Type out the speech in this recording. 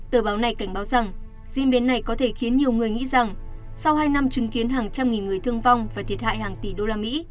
tờ báo này cảnh báo rằng diễn biến này có thể khiến nhiều người nghĩ rằng sau hai năm chứng kiến hàng trăm nghìn người thương vong và thiệt hại hàng tỷ đô la mỹ